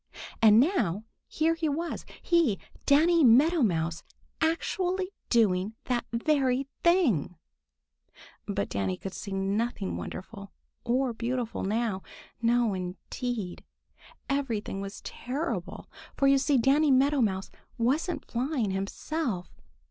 And now here he was, he, Danny Meadow Mouse, actually doing that very thing! [Illustration: He was being carried. Page 45.] But Danny could see nothing wonderful or beautiful now. No, indeed! Everything was terrible, for you see Danny Meadow Mouse wasn't flying himself.